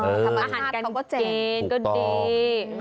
ทำอาหารกันกินก็ดี